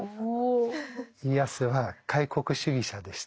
家康は開国主義者でした。